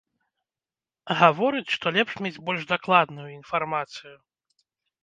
Гаворыць, што лепш мець больш дакладную інфармацыю.